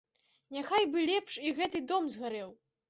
Няхай бы лепш і гэты дом згарэў.